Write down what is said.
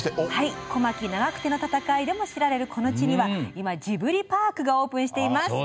小牧・長久手の戦いでも知られるこの地では今、ジブリパークがオープンしています。